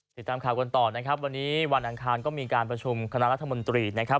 ติดตามข่าวกันต่อนะครับวันนี้วันอังคารก็มีการประชุมคณะรัฐมนตรีนะครับ